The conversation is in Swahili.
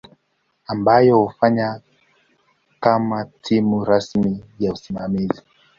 ambayo hufanya kama timu rasmi ya usimamizi.